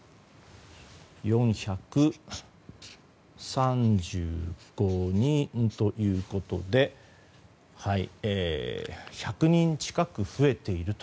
４３５人ということで１００人近く増えていると。